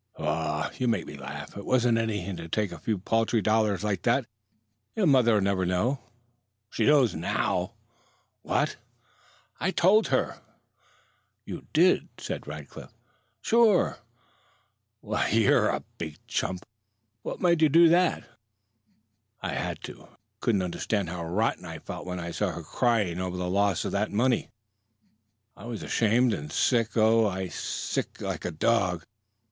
"Paugh! You make me laugh. It wasn't anything to take a few paltry dollars like that. You're mother'll never know." "She knows now." "What?" "I told her." "You did?" "Sure." "Well, you are a big chump! What made you do that?" "I had to. You can't understand how rotten I felt when I saw her crying over the loss of that money. I was ashamed and sick oh, sick as a dog!